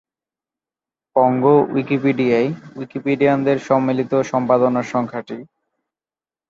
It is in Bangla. কঙ্গো উইকিপিডিয়ায় উইকিপিডিয়ানদের সম্মিলিত সম্পাদনার সংখ্যা টি।